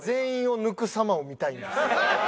見たいんです。